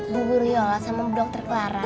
bu guriola sama bu dr clara